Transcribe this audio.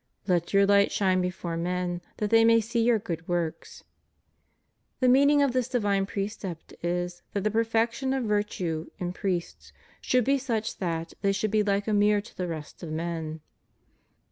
Let your light shine before men, that they may see your good works. ^ The meaning of this divine precept is, that the perfection of virtue in priests should be such that they should be like a mirror to the rest of men.